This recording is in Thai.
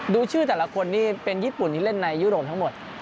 ดูชื่อแต่ละคนนี่เป็นญี่ปุ่นที่เล่นในยุโรปทั้งหมด